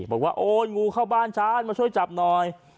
บอกว่าโอ๊ยงูเข้าบ้านฉันมาช่วยจับหน่อย